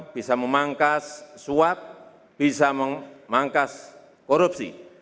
bisa memangkas suap bisa memangkas korupsi